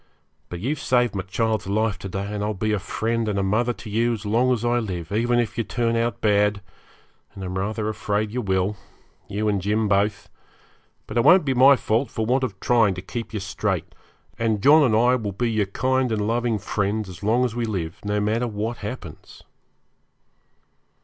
But you've saved my child's life to day, and I'll be a friend and a mother to you as long as I live, even if you turn out bad, and I'm rather afraid you will you and Jim both but it won't be my fault for want of trying to keep you straight; and John and I will be your kind and loving friends as long as we live, no matter what happens.'